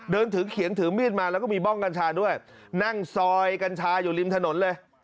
เดินถือเขียนถือมีดมาแล้วก็มีบ้องกัญชาด้วยนั่งซอยกัญชาอยู่ริมถนนเลย